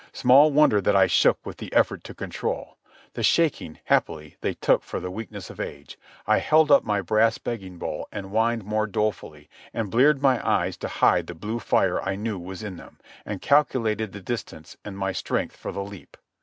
Small wonder that I shook with the effort to control. The shaking, happily, they took for the weakness of age. I held up my brass begging bowl, and whined more dolefully, and bleared my eyes to hide the blue fire I knew was in them, and calculated the distance and my strength for the leap.